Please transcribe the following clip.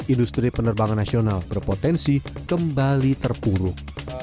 industri penerbangan nasional berpotensi kembali terpuruk